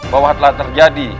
bahwa telah terjadi